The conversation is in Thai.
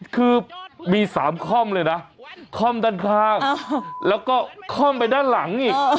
คือมี๓ค่อมเลยนะค่อมด้านข้างแล้วก็ค่อมไปด้านหลังอีก